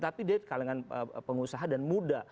tapi dia kalangan pengusaha dan muda